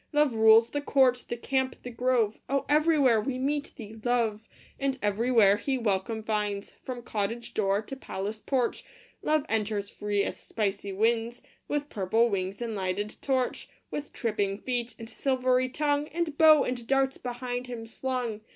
Love rules " the court, the camp, the grove " Oh, everywhere we meet thee, Love ! And everywhere he welcome finds, From cottage door to palace porch Love enters free as spicy winds, With purple wings and lighted torch, With tripping feet and silvery tongue, And bow and darts behind him slung.